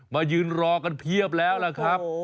มายืนรอกันเพียบแล้วล่ะครับ